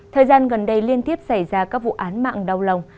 thời gian gần đây liên tiếp xảy ra các vụ án mạng đau lòng